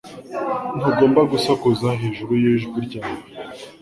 Ntugomba gusakuza hejuru yijwi ryawe.